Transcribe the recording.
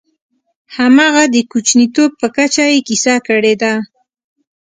همغه د کوچنیتوب په کچه یې کیسه کړې ده.